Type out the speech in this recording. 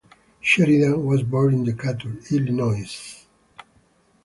Sheridan was born in Decatur, Illinois.